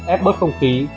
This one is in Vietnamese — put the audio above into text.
ép bớt không khí